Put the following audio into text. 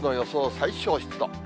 最小湿度。